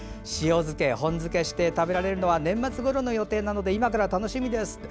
塩漬け、本漬けして食べられるのは年末ごろの予定なので今から楽しみです。